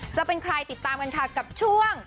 จะเป็นใครติดตามกันค่ะกับช่วง